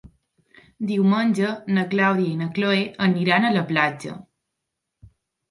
Diumenge na Clàudia i na Cloè aniran a la platja.